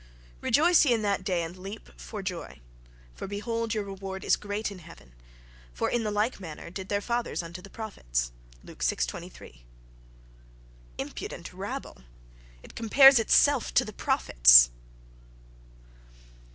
"Rejoice ye in that day, and leap for joy: for, behold, your reward is great in heaven: for in the like manner did their fathers unto the prophets." (Luke vi, 23.)—Impudent rabble! It compares itself to the prophets....